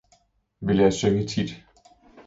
vil jeg synge tit